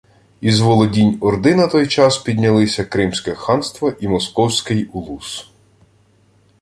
Із володінь Орди на той час піднялися Кримське ханство і Московський улус